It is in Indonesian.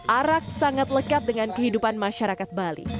arak sangat lekat dengan kehidupan masyarakat bali